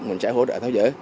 mình sẽ hỗ trợ tháo rỡ